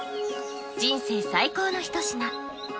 人生最高の一品